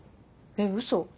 えっ嘘？